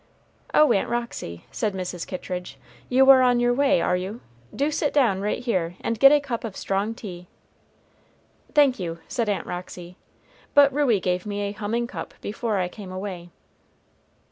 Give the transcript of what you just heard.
"Oh, Aunt Roxy," said Mrs. Kittridge, "you are on your way, are you? Do sit down, right here, and get a cup of strong tea." "Thank you," said Aunt Roxy, "but Ruey gave me a humming cup before I came away."